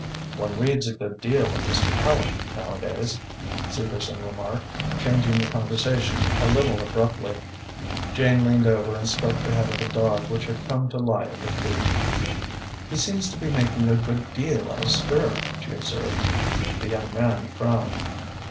"One reads a good deal of Mr. Tallente, nowadays," Segerson remarked, changing the conversation a little abruptly. Jane leaned over and stroked the head of a dog which had come to lie at her feet. "He seems to be making a good deal of stir," she observed. The young man frowned.